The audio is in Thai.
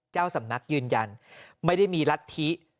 เจ้าสำนักยืนยันไม่ได้มีรัฐธิ